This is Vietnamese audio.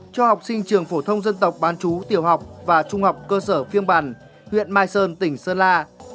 cho học sinh trường phủ thông dân tộc bán chú tiểu học và trung học cơ sở phiên bản huyện mai sơn tỉnh sơn la